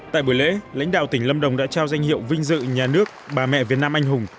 tại buổi lễ lãnh đạo tỉnh lâm đồng đã trao danh hiệu vinh dự nhà nước bà mẹ việt nam anh hùng